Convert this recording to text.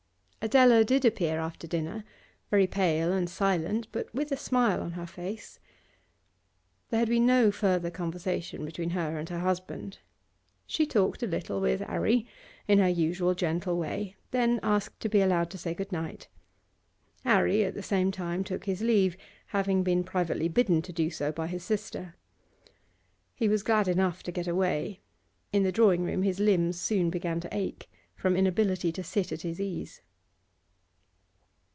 Adela did appear after dinner, very pale and silent, but with a smile on her face. There had been no further conversation between her and her husband. She talked a little with 'Arry, in her usual gentle way, then asked to be allowed to say goodnight. 'Arry at the same time took his leave, having been privately bidden to do so by his sister. He was glad enough to get away; in the drawing room his limbs soon began to ache, from inability to sit at his ease.